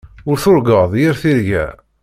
Ur turgaḍ yir tirga.